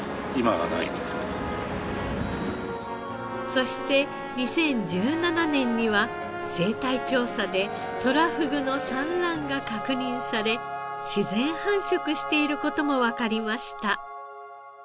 そして２０１７年には生態調査でとらふぐの産卵が確認され自然繁殖している事もわかりました。